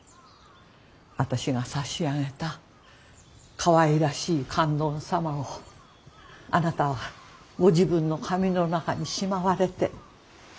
私が差し上げたかわいらしい観音様をあなたはご自分の髪の中にしまわれて。